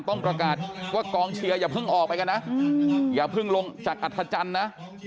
ต้องประกาศว่ากองเชียร์อย่าเพิ่งออกไปกันนะอย่าเพิ่งลงจากอัธจันทร์นะ